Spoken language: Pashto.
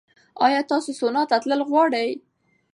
ایا تاسو سونا ته تلل غواړئ؟